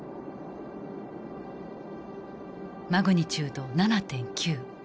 マグニチュード７．９。